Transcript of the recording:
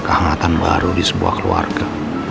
kehangatan baru di sebuah keluarga